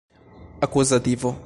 akuzativo